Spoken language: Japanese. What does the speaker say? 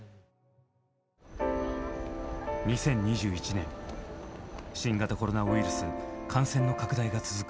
２０２１年新型コロナウイルス感染の拡大が続く